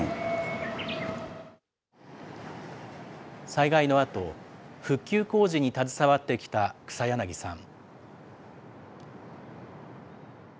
災害のあと、復旧工事に携わってきた草柳さん。